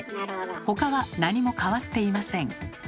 他は何も変わっていません。